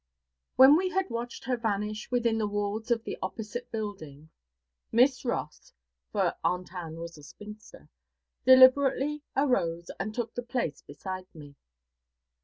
When we had watched her vanish within the walls of the opposite building, Miss Ross for 'Aunt Ann' was a spinster deliberately arose and took the place beside me.